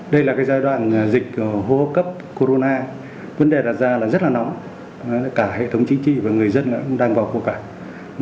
đây là giai đoạn dịch hô cấp corona vấn đề đặt ra rất là nóng cả hệ thống chính trị và người dân cũng đang vào khu cải